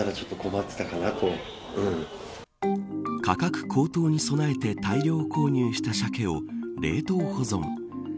価格高騰に備えて大量購入したサケを冷凍保存。